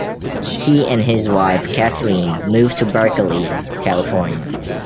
He and his wife Catherine moved to Berkeley, California.